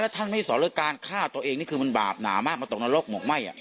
อ่ะแล้วท่านไม่สอนเลยการฆ่าตัวเองนี่คือมันบาปหนามากมันตกนรกมองไหมอ่ะ